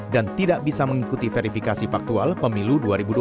dan tidak bisa mengikuti verifikasi faktual pemilu dua ribu dua puluh empat